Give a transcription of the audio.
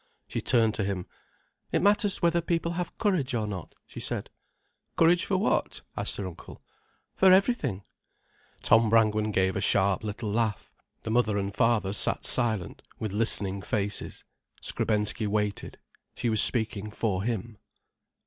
She turned to him. "It matters whether people have courage or not," she said. "Courage for what?" asked her uncle. "For everything." Tom Brangwen gave a sharp little laugh. The mother and father sat silent, with listening faces. Skrebensky waited. She was speaking for him.